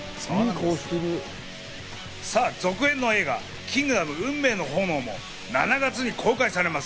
さぁ、続編の映画『キングダム運命の炎』も７月に公開されます。